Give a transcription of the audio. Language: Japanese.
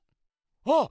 あっ！